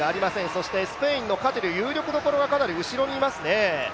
そしてスペインのカティル、有力どころはかなり後ろにいますね。